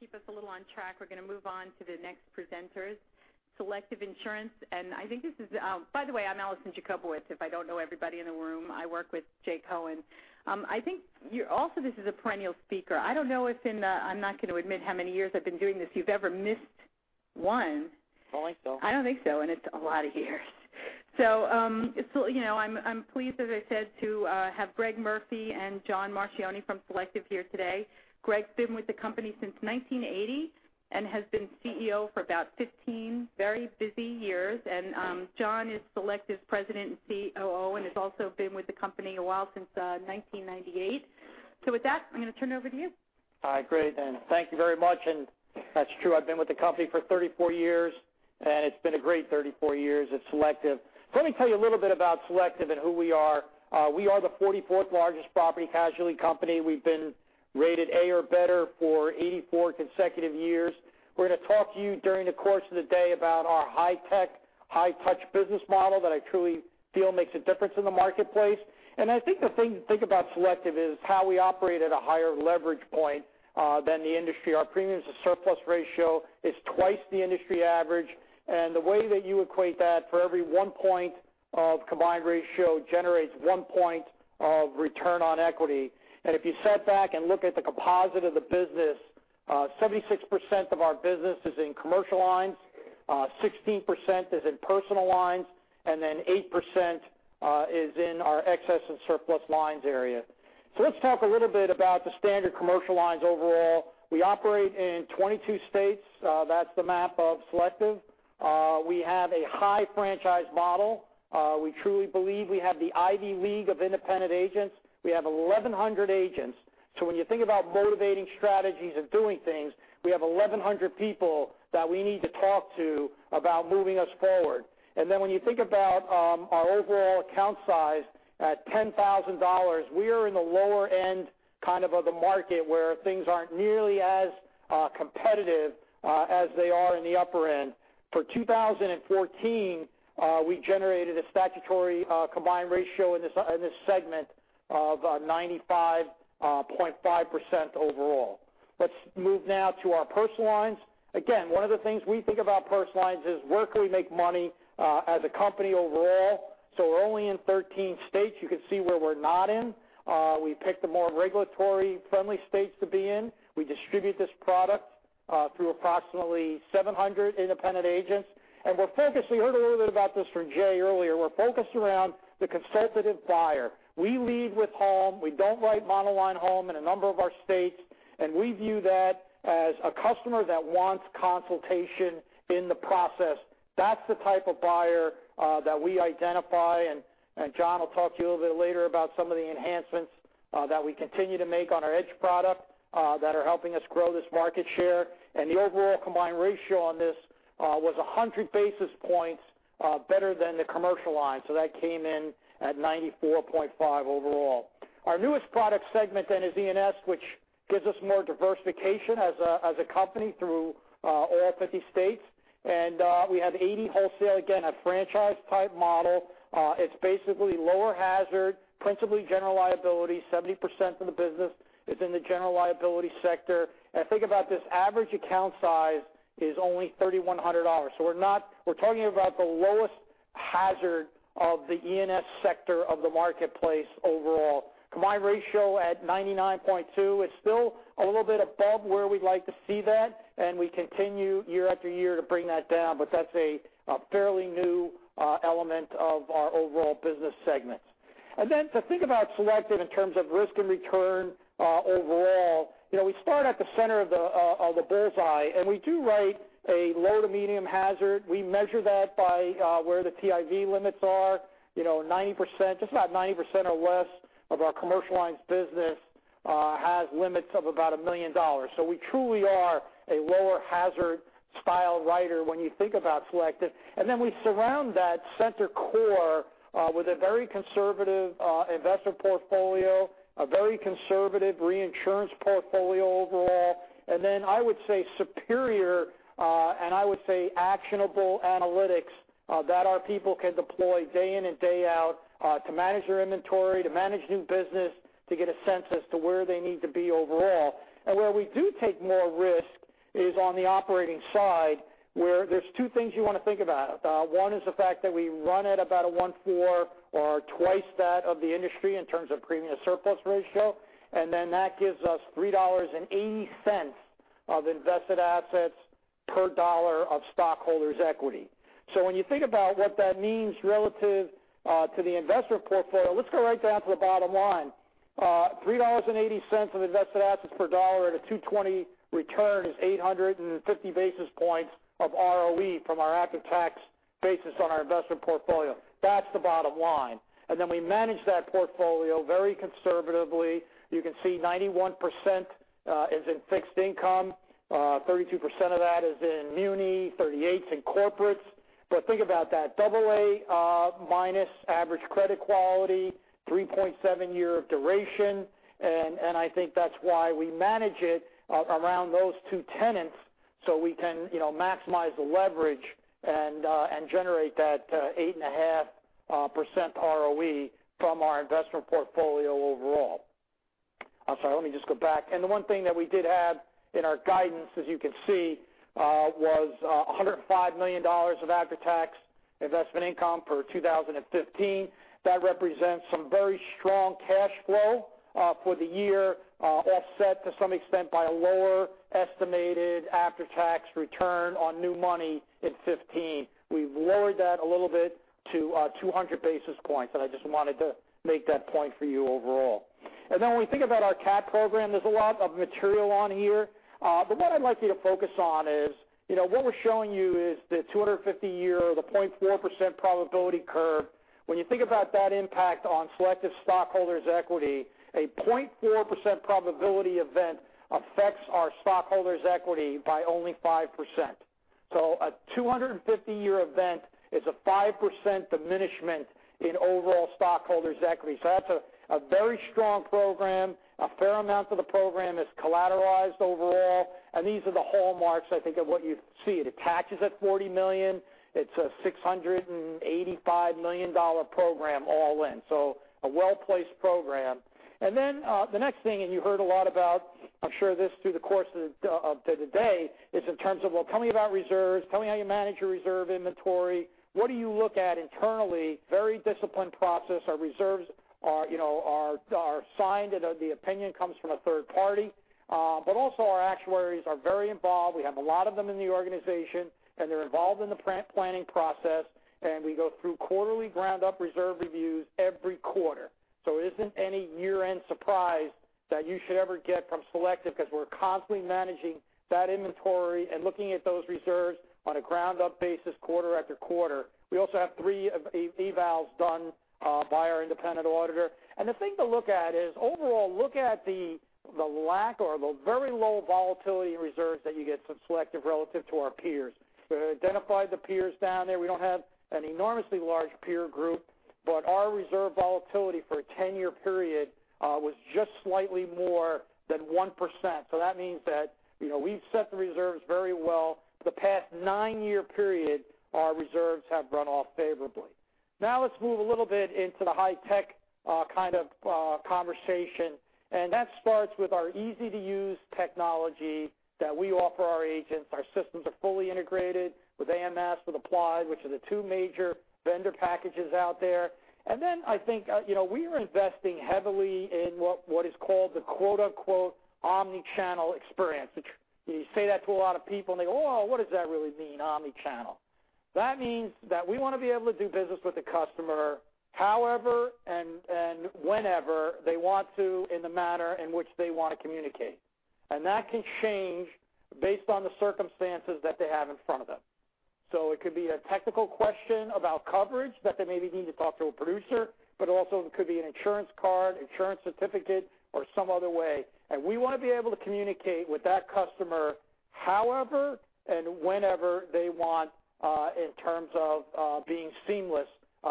Just to keep us a little on track, we're going to move on to the next presenters, Selective Insurance Group. By the way, I'm Alison Jacobowitz, if I don't know everybody in the room. I work with Jay Cohen. I think also this is a perennial speaker. I don't know if in the, I'm not going to admit how many years I've been doing this, you've ever missed one. I don't think so. I don't think so, and it's a lot of years. I'm pleased, as I said, to have Greg Murphy and John Marchioni from Selective Insurance Group here today. Greg's been with the company since 1980 and has been CEO for about 15 very busy years. John is Selective Insurance Group's President and COO and has also been with the company a while, since 1998. With that, I'm going to turn it over to you. All right, great. Thank you very much. That's true, I've been with the company for 34 years, and it's been a great 34 years at Selective Insurance Group. Let me tell you a little bit about Selective Insurance Group and who we are. We are the 44th largest property casualty company. We've been rated A or better for 84 consecutive years. We're going to talk to you during the course of the day about our high tech, high touch business model that I truly feel makes a difference in the marketplace. I think the thing to think about Selective Insurance Group is how we operate at a higher leverage point than the industry. Our premium to surplus ratio is twice the industry average. The way that you equate that, for every one point of combined ratio generates one point of ROE. If you sat back and looked at the composite of the business, 76% of our business is in Commercial Lines, 16% is in Personal Lines, 8% is in our Excess and Surplus Lines area. Let's talk a little bit about the Standard Commercial Lines overall. We operate in 22 states. That's the map of Selective. We have a high franchise model. We truly believe we have the Ivy League of independent agents. We have 1,100 agents. When you think about motivating strategies of doing things, we have 1,100 people that we need to talk to about moving us forward. When you think about our overall account size at $10,000, we are in the lower end kind of the market where things aren't nearly as competitive as they are in the upper end. For 2014, we generated a statutory combined ratio in this segment of 95.5% overall. Let's move now to our Personal Lines. Again, one of the things we think about Personal Lines is where can we make money as a company overall. We're only in 13 states. You can see where we're not in. We picked the more regulatory-friendly states to be in. We distribute this product through approximately 700 independent agents. We're focused, you heard a little bit about this from Jay earlier, we're focused around the consultative buyer. We lead with home. We don't write monoline home in a number of our states. We view that as a customer that wants consultation in the process. That's the type of buyer that we identify. John will talk to you a little bit later about some of the enhancements that we continue to make on our Edge product that are helping us grow this market share. The overall combined ratio on this was 100 basis points better than the Commercial Lines. That came in at 94.5% overall. Our newest product segment is E&S, which gives us more diversification as a company through all 50 states. We have 80 wholesale, again, a franchise-type model. It's basically lower hazard, principally General Liability. 70% of the business is in the General Liability sector. Think about this, average account size is only $3,100. We're talking about the lowest hazard of the E&S sector of the marketplace overall. Combined ratio at 99.2%. It's still a little bit above where we'd like to see that, we continue year after year to bring that down, that's a fairly new element of our overall business segments. To think about Selective in terms of risk and return overall, we start at the center of the bullseye, we do write a low to medium hazard. We measure that by where the PIV limits are. Just about 90% or less of our Commercial Lines business has limits of about $1 million. We truly are a lower hazard style writer when you think about Selective. We surround that center core with a very conservative investment portfolio, a very conservative reinsurance portfolio overall. I would say superior and actionable analytics that our people can deploy day in and day out to manage their inventory, to manage new business, to get a sense as to where they need to be overall. Where we do take more risk is on the operating side, where there's two things you want to think about. One is the fact that we run at about a 1.4 or twice that of the industry in terms of premium surplus ratio. That gives us $3.80 of invested assets per dollar of stockholders' equity. When you think about what that means relative to the investment portfolio, let's go right down to the bottom line. $3.80 of invested assets per dollar at a 220 return is 850 basis points of ROE from our after-tax basis on our investment portfolio. That's the bottom line. We manage that portfolio very conservatively. You can see 91% is in fixed income. 32% of that is in muni, 38% is in corporates. Think about that. Double A minus average credit quality, 3.7 year of duration, I think that's why we manage it around those two tenets. We can maximize the leverage and generate that 8.5% ROE from our investment portfolio overall. I'm sorry, let me just go back. The one thing that we did have in our guidance, as you can see, was $105 million of after-tax investment income for 2015. That represents some very strong cash flow for the year, offset to some extent by a lower estimated after-tax return on new money in 2015. We've lowered that a little bit to 200 basis points, I just wanted to make that point for you overall. When we think about our cat program, there's a lot of material on here. What I'd like you to focus on is, what we're showing you is the 250-year or the 0.4% probability curve. When you think about that impact on Selective stockholders' equity, a 0.4% probability event affects our stockholders' equity by only 5%. A 250-year event is a 5% diminishment in overall stockholders' equity. That's a very strong program. A fair amount of the program is collateralized overall, these are the hallmarks, I think, of what you see. It attaches at $40 million. It's a $685 million program all in, a well-placed program. The next thing, you heard a lot about, I'm sure this through the course of today, is in terms of, well, tell me about reserves. Tell me how you manage your reserve inventory. What do you look at internally? Very disciplined process. Our reserves are signed, the opinion comes from a third party. Also our actuaries are very involved. We have a lot of them in the organization, they're involved in the planning process, we go through quarterly ground-up reserve reviews every quarter. It isn't any year-end surprise that you should ever get from Selective, because we're constantly managing that inventory and looking at those reserves on a ground-up basis quarter after quarter. We also have three evals done by our independent auditor. The thing to look at is, overall, look at the lack or the very low volatility in reserves that you get from Selective relative to our peers. We identified the peers down there. We don't have an enormously large peer group, but our reserve volatility for a 10-year period was just slightly more than 1%. That means that we've set the reserves very well. The past nine-year period, our reserves have run off favorably. Let's move a little bit into the high-tech kind of conversation, and that starts with our easy-to-use technology that we offer our agents. Our systems are fully integrated with AMS, with Applied, which are the two major vendor packages out there. Then I think we are investing heavily in what is called the "omnichannel experience." You say that to a lot of people, and they go, "Oh, what does that really mean, omnichannel?" That means that we want to be able to do business with the customer however and whenever they want to in the manner in which they want to communicate. That can change based on the circumstances that they have in front of them. It could be a technical question about coverage that they maybe need to talk to a producer, but also it could be an insurance card, insurance certificate, or some other way. We want to be able to communicate with that customer however and whenever they want, in terms of being seamless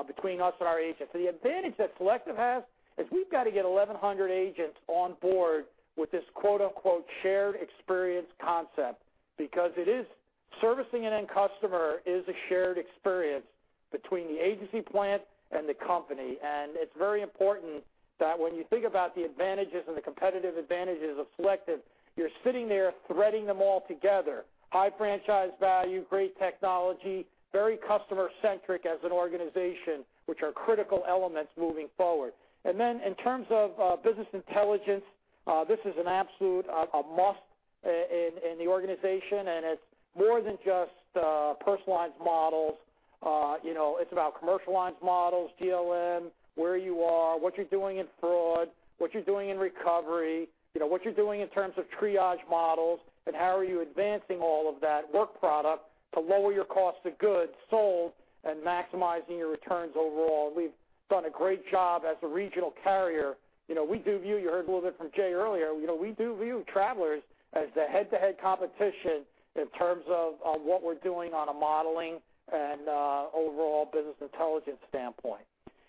between us and our agents. The advantage that Selective has is we've got to get 1,100 agents on board with this "shared experience concept," because servicing an end customer is a shared experience between the agency plant and the company. It's very important that when you think about the advantages and the competitive advantages of Selective, you're sitting there threading them all together. High franchise value, great technology, very customer-centric as an organization, which are critical elements moving forward. Then in terms of business intelligence, this is an absolute must in the organization, and it's more than just personalized models. It's about Commercial Lines models, GLM, where you are, what you're doing in fraud, what you're doing in recovery, what you're doing in terms of triage models, and how are you advancing all of that work product to lower your cost of goods sold and maximizing your returns overall. We've done a great job as a regional carrier. You heard a little bit from Jay earlier. We do view Travelers as a head-to-head competition in terms of what we're doing on a modeling and overall business intelligence standpoint.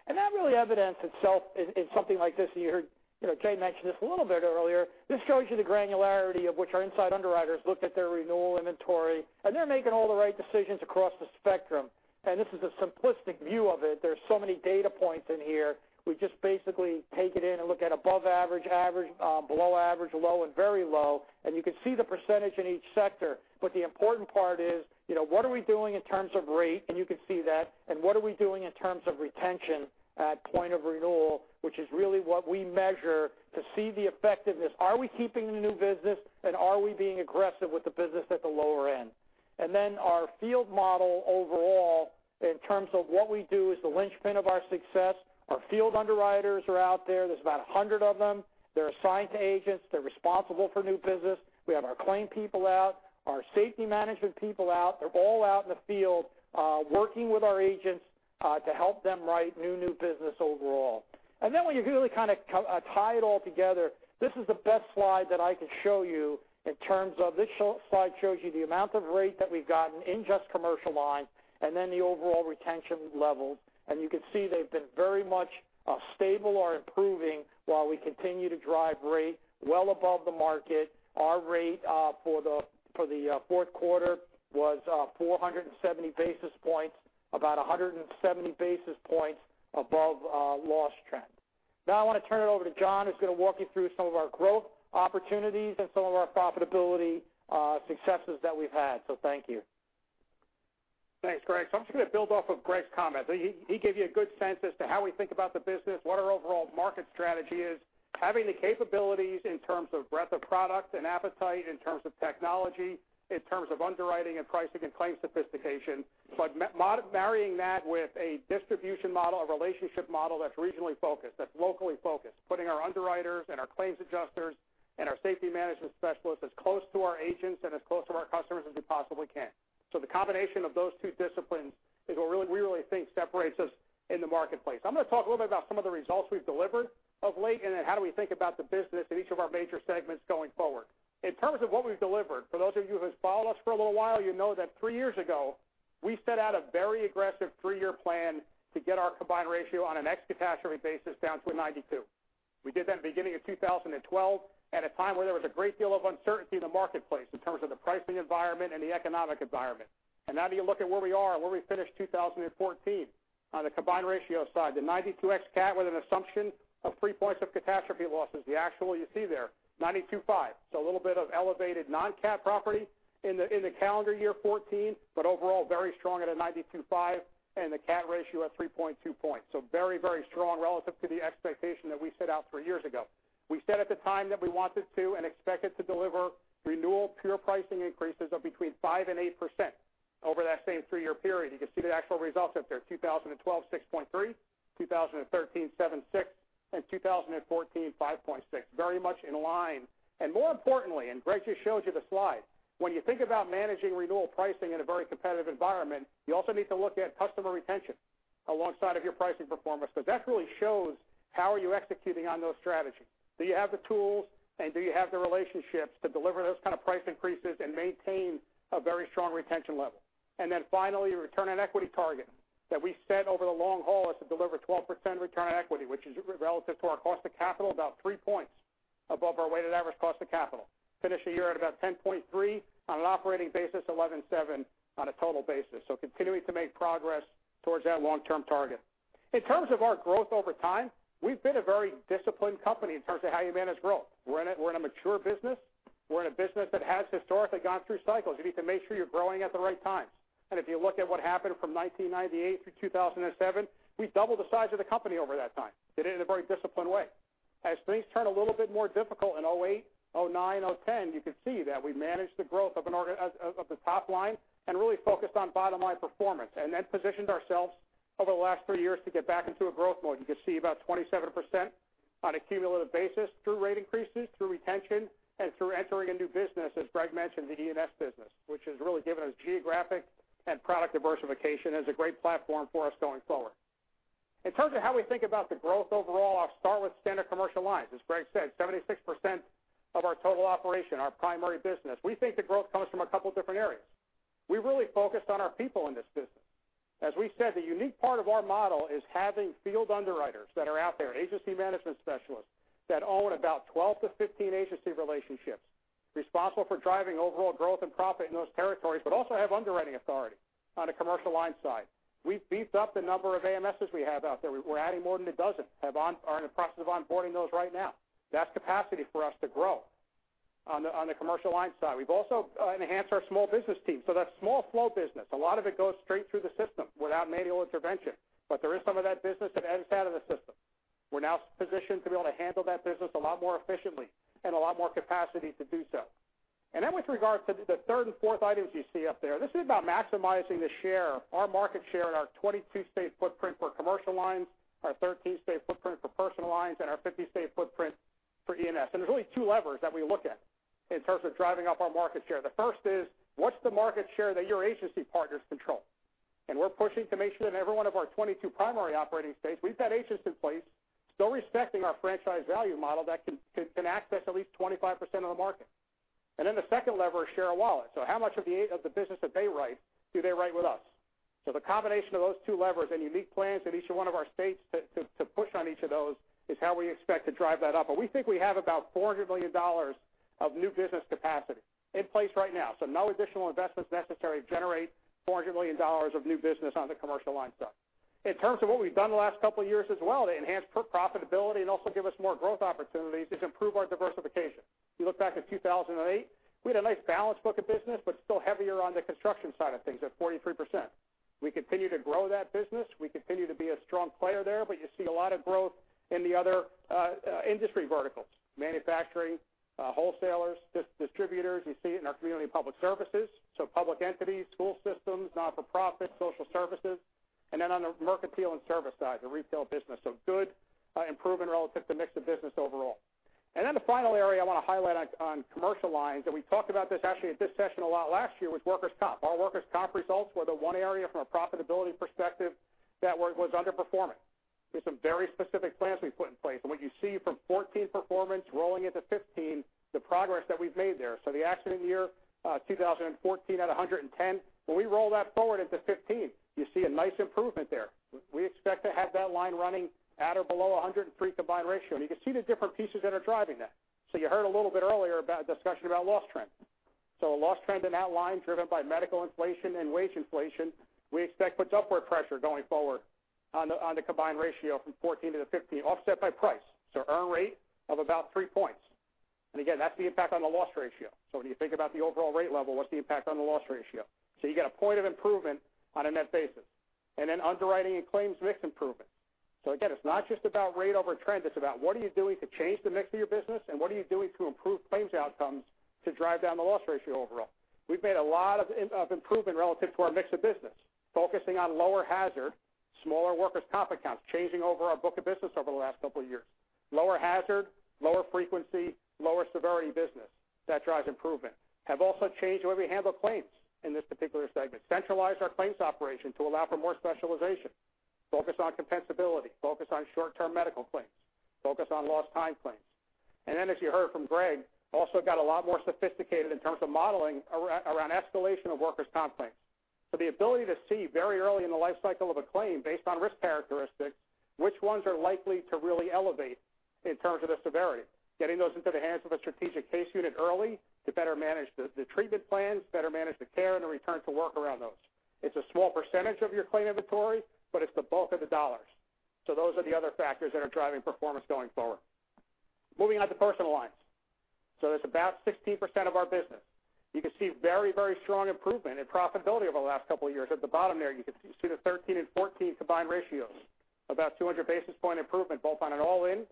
That really evidenced itself in something like this. You heard Jay mention this a little bit earlier. This shows you the granularity of which our inside underwriters look at their renewal inventory, and they're making all the right decisions across the spectrum. This is a simplistic view of it. There's so many data points in here. We just basically take it in and look at above average, below average, low, and very low. You can see the percentage in each sector. The important part is, what are we doing in terms of rate? You can see that. What are we doing in terms of retention at point of renewal, which is really what we measure to see the effectiveness. Are we keeping the new business, and are we being aggressive with the business at the lower end? Then our field model overall in terms of what we do is the linchpin of our success. Our field underwriters are out there. There's about 100 of them. They're assigned to agents. They're responsible for new business. We have our claim people out, our safety management people out. They're all out in the field working with our agents to help them write new business overall. When you really tie it all together, this is the best slide that I can show you in terms of this slide shows you the amount of rate that we've gotten in just Commercial Lines and then the overall retention levels. You can see they've been very much stable or improving while we continue to drive rate well above the market. Our rate for the fourth quarter was 470 basis points, about 170 basis points above loss trend. I want to turn it over to John, who's going to walk you through some of our growth opportunities and some of our profitability successes that we've had. Thank you. Thanks, Greg. I'm just going to build off of Greg's comments. He gave you a good sense as to how we think about the business, what our overall market strategy is, having the capabilities in terms of breadth of product and appetite, in terms of technology, in terms of underwriting and pricing and claim sophistication, but marrying that with a distribution model, a relationship model that's regionally focused, that's locally focused, putting our underwriters and our claims adjusters and our safety management specialists as close to our agents and as close to our customers as we possibly can. The combination of those two disciplines is what we really think separates us in the marketplace. I'm going to talk a little bit about some of the results we've delivered of late, and then how we think about the business in each of our major segments going forward. In terms of what we've delivered, for those of you who've followed us for a little while, you know that three years ago, we set out a very aggressive three-year plan to get our combined ratio on an ex-catastrophe basis down to a 92. We did that in the beginning of 2012, at a time where there was a great deal of uncertainty in the marketplace in terms of the pricing environment and the economic environment. Now you look at where we are and where we finished 2014. On the combined ratio side, the 92 ex-cat with an assumption of three points of catastrophe losses, the actual you see there, 92.5. A little bit of elevated non-cat property in the calendar year 2014, but overall, very strong at a 92.5 and the cat ratio at 3.2 points. Very strong relative to the expectation that we set out 3 years ago. We said at the time that we wanted to and expected to deliver renewal pure pricing increases of between 5% and 8% over that same 3-year period. You can see the actual results up there, 2012, 6.3%, 2013, 7.6%, and 2014, 5.6%, very much in line. More importantly, Greg just showed you the slide, when you think about managing renewal pricing in a very competitive environment, you also need to look at customer retention alongside of your pricing performance, because that really shows how are you executing on those strategies. Do you have the tools, and do you have the relationships to deliver those kind of price increases and maintain a very strong retention level? Finally, return on equity target that we set over the long haul is to deliver 12% return on equity, which is relative to our cost of capital, about 3 points above our weighted average cost of capital. Finished the year at about 10.3% on an operating basis, 11.7% on a total basis. Continuing to make progress towards that long-term target. In terms of our growth over time, we've been a very disciplined company in terms of how you manage growth. We're in a mature business. We're in a business that has historically gone through cycles. You need to make sure you're growing at the right times. If you look at what happened from 1998 through 2007, we've doubled the size of the company over that time, did it in a very disciplined way. As things turn a little bit more difficult in 2008, 2009, 2010, you can see that we managed the growth of the top line and really focused on bottom line performance, and then positioned ourselves over the last 3 years to get back into a growth mode. You can see about 27% on a cumulative basis through rate increases, through retention, and through entering a new business, as Greg mentioned, the E&S business, which has really given us geographic and product diversification as a great platform for us going forward. In terms of how we think about the growth overall, I'll start with Standard Commercial Lines. As Greg said, 76% of our total operation, our primary business. We think the growth comes from a couple different areas. We really focused on our people in this business. As we said, the unique part of our model is having field underwriters that are out there, agency management specialists that own about 12 to 15 agency relationships, responsible for driving overall growth and profit in those territories, but also have underwriting authority on the commercial lines side. We've beefed up the number of AMS we have out there. We're adding more than a dozen. Are in the process of onboarding those right now. That's capacity for us to grow on the commercial lines side. We've also enhanced our small business team. That small flow business, a lot of it goes straight through the system without manual intervention, but there is some of that business that ends out of the system. We're now positioned to be able to handle that business a lot more efficiently and a lot more capacity to do so. With regard to the third and fourth items you see up there, this is about maximizing the share, our market share in our 22-state footprint for commercial lines, our 13-state footprint for Personal Lines, and our 50-state footprint for E&S. There's really two levers that we look at in terms of driving up our market share. The first is, what's the market share that your agency partners control? We're pushing to make sure that every one of our 22 primary operating states, we've got agents in place, still respecting our franchise value model that can access at least 25% of the market. The second lever is share of wallet. How much of the business that they write, do they write with us? The combination of those two levers and unique plans in each one of our states to push on each of those is how we expect to drive that up. We think we have about $400 million of new business capacity in place right now. No additional investments necessary to generate $400 million of new business on the commercial lines side. In terms of what we've done the last couple of years as well to enhance profitability and also give us more growth opportunities is improve our diversification. You look back at 2008, we had a nice balanced book of business, but still heavier on the construction side of things at 43%. We continue to grow that business. We continue to be a strong player there, but you see a lot of growth in the other industry verticals, manufacturing, wholesalers, distributors. You see it in our community and public services, public entities, school systems, not-for-profit, social services. On the mercantile and service side, the retail business. Good improvement relative to mix of business overall. The final area I want to highlight on commercial lines, and we talked about this actually at this session a lot last year, was workers' comp. Our workers' comp results were the one area from a profitability perspective that was underperforming. There's some very specific plans we put in place. What you see from 2014 performance rolling into 2015, the progress that we've made there. The accident year 2014 at 110. When we roll that forward into 2015, you see a nice improvement there. We expect to have that line running at or below 103 combined ratio. You can see the different pieces that are driving that. You heard a little bit earlier about a discussion about loss trend. A loss trend in that line driven by medical inflation and wage inflation, we expect puts upward pressure going forward on the combined ratio from 2014 to the 2015, offset by price. Earn rate of about three points. Again, that's the impact on the loss ratio. When you think about the overall rate level, what's the impact on the loss ratio? You get a point of improvement on a net basis. Underwriting and claims mix improvement. Again, it's not just about rate over trend, it's about what are you doing to change the mix of your business, and what are you doing to improve claims outcomes to drive down the loss ratio overall? We've made a lot of improvement relative to our mix of business, focusing on lower hazard, smaller workers' comp accounts, changing over our book of business over the last couple of years. Lower hazard, lower frequency, lower severity business, that drives improvement. Have also changed the way we handle claims in this particular segment. Centralized our claims operation to allow for more specialization. Focus on compensability, focus on short-term medical claims, focus on lost time claims. As you heard from Greg, also got a lot more sophisticated in terms of modeling around escalation of workers' comp claims. The ability to see very early in the life cycle of a claim, based on risk characteristics, which ones are likely to really elevate in terms of the severity. Getting those into the hands of a strategic case unit early to better manage the treatment plans, better manage the care, and the return to work around those. It's a small percentage of your claim inventory, but it's the bulk of the dollars. Those are the other factors that are driving performance going forward. Moving on to Personal Lines. It's about 16% of our business. You can see very, very strong improvement in profitability over the last couple of years. At the bottom there, you can see the 2013 and 2014 combined ratios. About 200 basis point improvement both on an all-in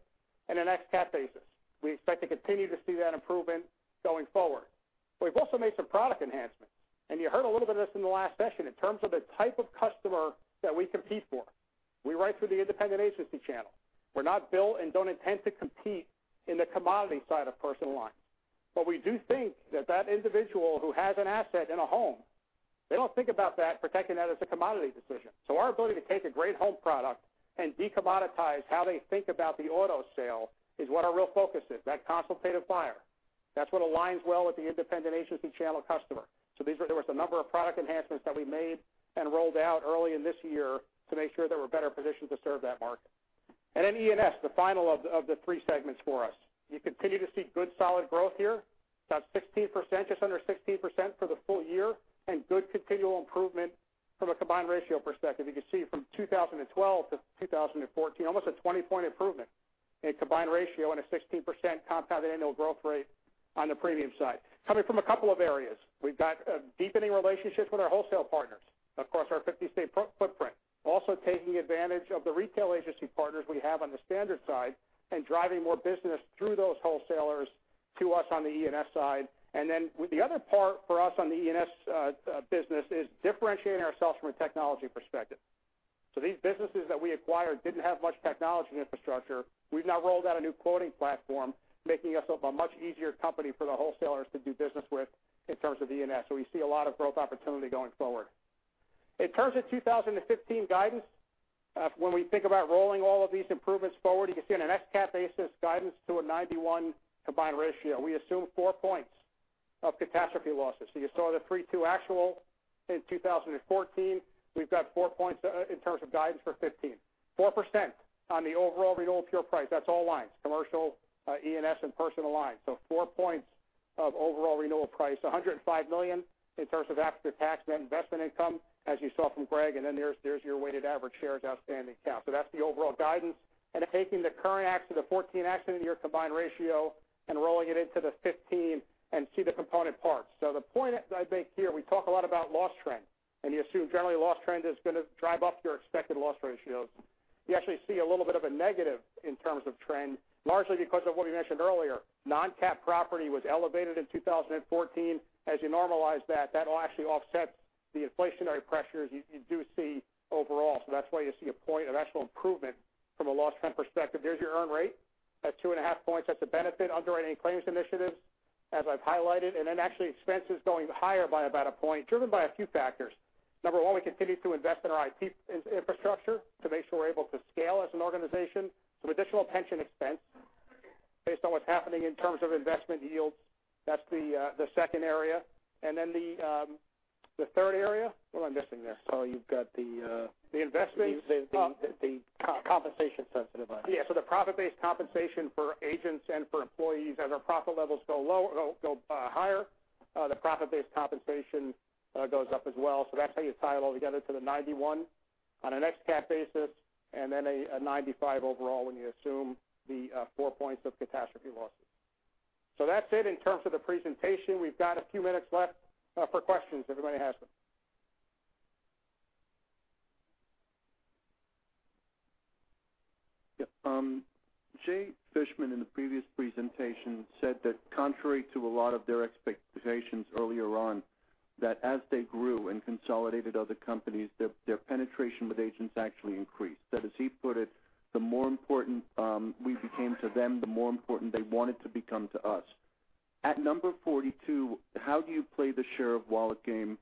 and an ex-cat basis. We expect to continue to see that improvement going forward. We've also made some product enhancements, you heard a little bit of this in the last session in terms of the type of customer that we compete for. We write through the independent agency channel. We're not built and don't intend to compete in the commodity side of Personal Lines. We do think that that individual who has an asset and a home, they don't think about that, protecting that as a commodity decision. Our ability to take a great home product and de-commoditize how they think about the auto sale is what our real focus is. That consultative buyer. That's what aligns well with the independent agency channel customer. These were the number of product enhancements that we made and rolled out early in this year to make sure that we're better positioned to serve that market. E&S, the final of the three segments for us. You continue to see good solid growth here, about 16%, just under 16% for the full year, and good continual improvement from a combined ratio perspective. You can see from 2012 to 2014, almost a 20-point improvement in combined ratio and a 16% compounded annual growth rate on the premium side. Coming from a couple of areas. We've got deepening relationships with our wholesale partners across our 50-state footprint. Also taking advantage of the retail agency partners we have on the standard side and driving more business through those wholesalers to us on the E&S side. The other part for us on the E&S business is differentiating ourselves from a technology perspective. These businesses that we acquired didn't have much technology infrastructure. We've now rolled out a new quoting platform, making us a much easier company for the wholesalers to do business with in terms of E&S. We see a lot of growth opportunity going forward. In terms of 2015 guidance, when we think about rolling all of these improvements forward, you can see on an ex-cat basis guidance to a 91 combined ratio. We assume 4 points of catastrophe losses. You saw the 3.2 actual in 2014. We've got 4 points in terms of guidance for 2015. 4% on the overall renewal pure price. That's all lines, commercial, E&S, and Personal Lines. 4 points of overall renewal price, $105 million in terms of after-tax net investment income, as you saw from Greg, and then there's your weighted average shares outstanding count. That's the overall guidance. Then taking the current actual, the 2014 accident year combined ratio, and rolling it into the 2015 and see the component parts. The point I make here, we talk a lot about loss trend. You assume generally loss trend is going to drive up your expected loss ratios. You actually see a little bit of a negative in terms of trend, largely because of what we mentioned earlier. Non-cat property was elevated in 2014. As you normalize that'll actually offset the inflationary pressures you do see overall. That's why you see a point of actual improvement from a loss trend perspective. There's your earn rate at 2.5 points. That's a benefit underwriting claims initiatives, as I've highlighted. Then actually expenses going higher by about 1 point, driven by a few factors. Number 1, we continue to invest in our IT infrastructure to make sure we're able to scale as an organization. Some additional pension expense based on what's happening in terms of investment yields. That's the second area. Then the third area. What am I missing there, Saul? You've got the- The investments. The- The compensation sensitivity. Yeah, the profit-based compensation for agents and for employees. As our profit levels go higher, the profit-based compensation goes up as well. That's how you tie it all together to the 91 on an ex-cat basis and then a 95 overall when you assume the four points of catastrophe losses. That's it in terms of the presentation. We've got a few minutes left for questions if anybody has them. Jay Fishman in the previous presentation said that contrary to a lot of their expectations earlier on, that as they grew and consolidated other companies, their penetration with agents actually increased. That as he put it, "The more important we became to them, the more important they wanted to become to us." At number 42, how do you play the share of wallet game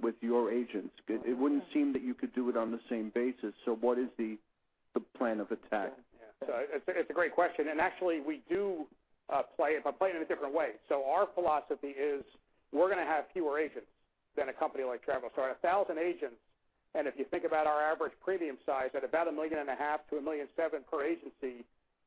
with your agents? It wouldn't seem that you could do it on the same basis, what is the plan of attack? Yeah. It's a great question, actually, we do play it, but play it in a different way. Our philosophy is we're going to have fewer agents than a company like Travelers. Our 1,000 agents. If you think about our average premium size at about a million and a half to a million seven per agency,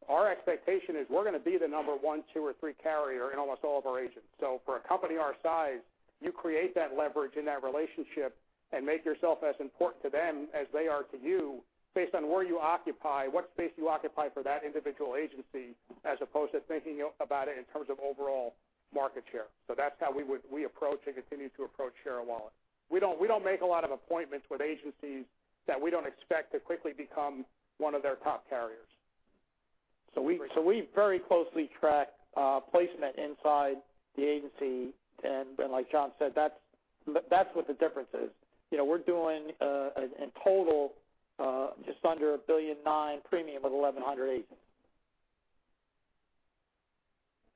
our expectation is we're going to be the number one, two, or three carrier in almost all of our agents. For a company our size, you create that leverage in that relationship and make yourself as important to them as they are to you based on where you occupy, what space you occupy for that individual agency, as opposed to thinking about it in terms of overall market share. That's how we approach and continue to approach share of wallet. We don't make a lot of appointments with agencies that we don't expect to quickly become one of their top carriers. We very closely track placement inside the agency. Like John said, that's what the difference is. We're doing, in total, just under $1.9 billion premium with 1,100 agents.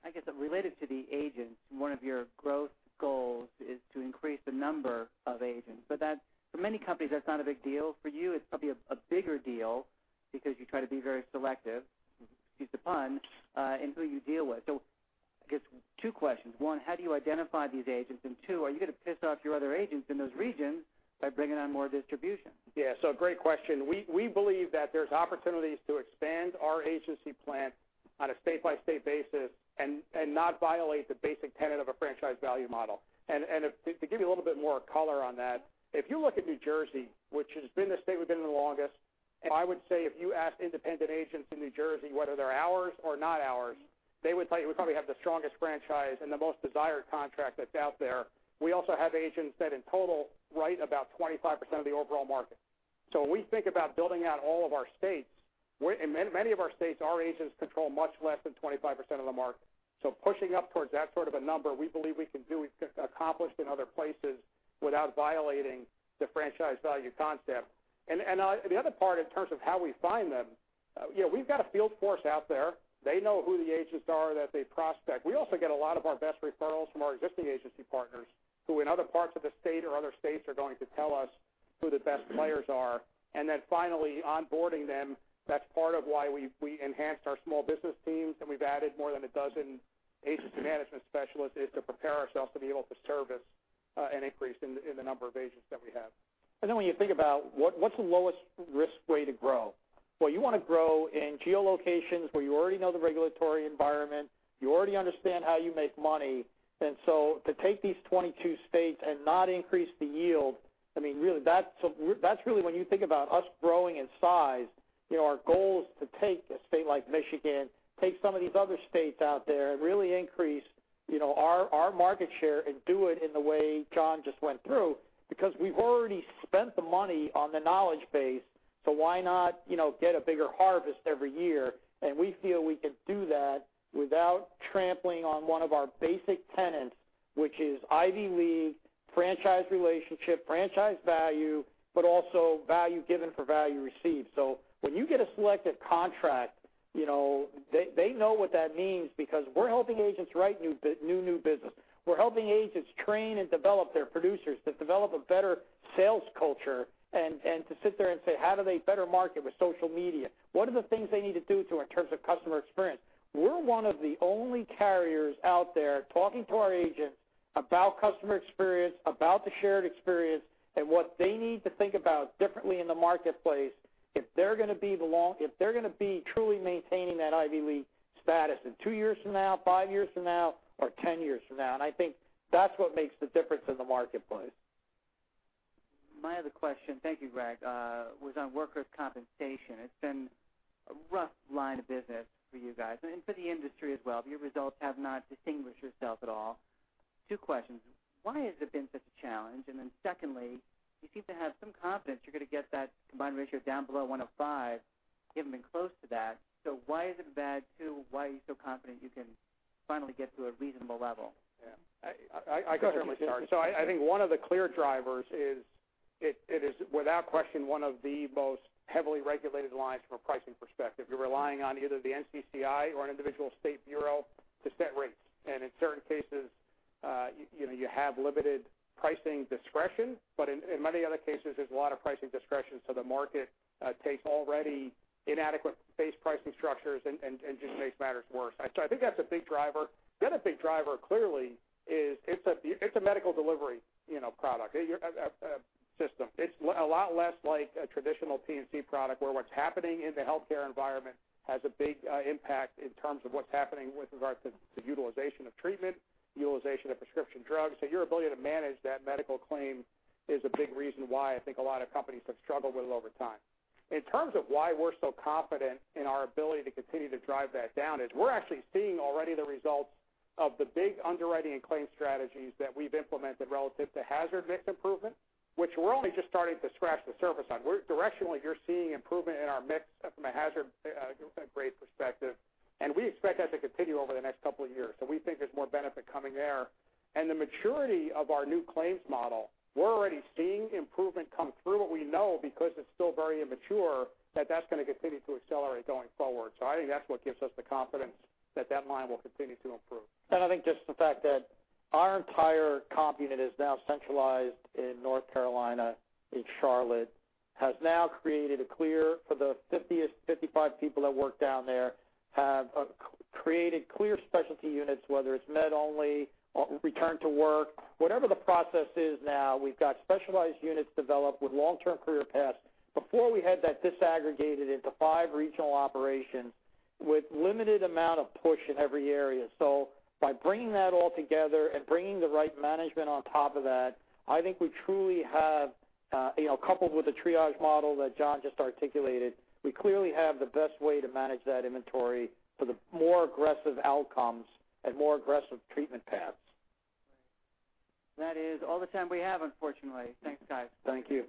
I guess related to the agents, one of your growth goals is to increase the number of agents. For many companies, that's not a big deal. For you, it's probably a bigger deal because you try to be very selective, excuse the pun, in who you deal with. I guess two questions. One, how do you identify these agents? Two, are you going to piss off your other agents in those regions by bringing on more distribution? Yeah. Great question. We believe that there's opportunities to expand our agency plan on a state-by-state basis and not violate the basic tenet of a franchise value model. To give you a little bit more color on that, if you look at New Jersey, which has been the state we've been in the longest, I would say if you ask independent agents in New Jersey whether they're ours or not ours, they would tell you we probably have the strongest franchise and the most desired contract that's out there. We also have agents that, in total, write about 25% of the overall market. When we think about building out all of our states, in many of our states, our agents control much less than 25% of the market. Pushing up towards that sort of a number, we believe we can do, we've accomplished in other places without violating the franchise value concept. The other part in terms of how we find them, we've got a field force out there. They know who the agents are that they prospect. We also get a lot of our best referrals from our existing agency partners, who in other parts of the state or other states are going to tell us who the best players are. Finally, onboarding them, that's part of why we enhanced our small business teams, and we've added more than 12 agency management specialists is to prepare ourselves to be able to service an increase in the number of agents that we have. When you think about what's the lowest risk way to grow, well, you want to grow in geolocations where you already know the regulatory environment, you already understand how you make money. To take these 22 states and not increase the yield, that's really when you think about us growing in size, our goal is to take a state like Michigan, take some of these other states out there, and really increase our market share and do it in the way John just went through. We've already spent the money on the knowledge base, so why not get a bigger harvest every year? We feel we can do that without trampling on one of our basic tenets, which is Ivy League franchise relationship, franchise value, but also value given for value received. When you get a Selective contract, they know what that means because we're helping agents write new business. We're helping agents train and develop their producers to develop a better sales culture and to sit there and say, how do they better market with social media? What are the things they need to do in terms of customer experience? We're one of the only carriers out there talking to our agents about customer experience, about the shared experience, and what they need to think about differently in the marketplace if they're going to be truly maintaining that Ivy League status in two years from now, five years from now, or 10 years from now. I think that's what makes the difference in the marketplace. My other question, thank you, Greg, was on Workers' Compensation. It's been a rough line of business for you guys and for the industry as well. Your results have not distinguished yourself at all. Two questions. Why has it been such a challenge? Secondly, you seem to have some confidence you're going to get that combined ratio down below 105. You haven't been close to that, but why are you so confident you can finally get to a reasonable level? Yeah. I could certainly start. I think one of the clear drivers is it is, without question, one of the most heavily regulated lines from a pricing perspective. You're relying on either the NCCI or an individual state bureau to set rates. In certain cases, you have limited pricing discretion. In many other cases, there's a lot of pricing discretion. The market takes already inadequate base pricing structures and just makes matters worse. I think that's a big driver. The other big driver clearly is it's a medical delivery product system. It's a lot less like a traditional P&C product where what's happening in the healthcare environment has a big impact in terms of what's happening with regards to utilization of treatment, utilization of prescription drugs. Your ability to manage that medical claim is a big reason why I think a lot of companies have struggled with it over time. In terms of why we're so confident in our ability to continue to drive that down is we're actually seeing already the results of the big underwriting and claims strategies that we've implemented relative to hazard mix improvement, which we're only just starting to scratch the surface on. Directionally, you're seeing improvement in our mix from a hazard grade perspective, and we expect that to continue over the next couple of years. We think there's more benefit coming there. The maturity of our new claims model, we're already seeing improvement come through, but we know because it's still very immature that that's going to continue to accelerate going forward. I think that's what gives us the confidence that that line will continue to improve. I think just the fact that our entire comp unit is now centralized in North Carolina, in Charlotte, has now created a clear for the 55 people that work down there, have created clear specialty units, whether it's med only, return to work, whatever the process is now, we've got specialized units developed with long-term career paths. Before we had that disaggregated into five regional operations with limited amount of push in every area. By bringing that all together and bringing the right management on top of that, I think we truly have, coupled with the triage model that John just articulated, we clearly have the best way to manage that inventory for the more aggressive outcomes and more aggressive treatment paths. That is all the time we have, unfortunately. Thanks, guys. Thank you.